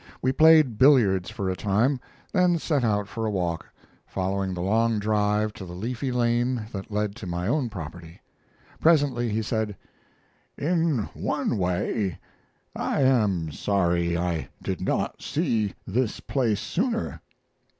We played billiards for a time, then set out for a walk, following the long drive to the leafy lane that led to my own property. Presently he said: "In one way I am sorry I did not see this place sooner.